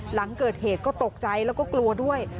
หลังเกิดเหตุก็ตกใจแล้วก็กลัวด้วย